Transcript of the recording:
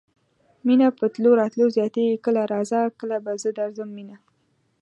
مينه په تلو راتلو زياتيږي کله راځه کله به زه درځم مينه